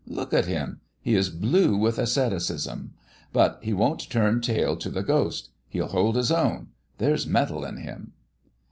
Look at him; he is blue with asceticism. But he won't turn tail to the ghost; he'll hold his own. There's metal in him."